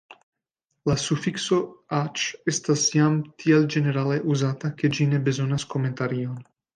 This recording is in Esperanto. La sufikso _aĉ_ estas jam tiel ĝenerale uzata, ke ĝi ne bezonas komentarion.